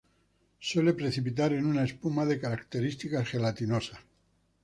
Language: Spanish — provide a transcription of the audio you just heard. Suele precipitar en una espuma de características gelatinosa.